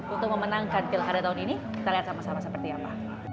untuk memenangkan pilkada tahun ini kita lihat sama sama seperti apa